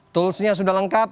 tools nya sudah lengkap